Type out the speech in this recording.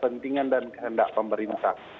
kepentingan dan kehendak pemerintah